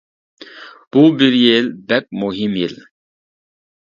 بۇ بىر يىل بەك مۇھىم يىل.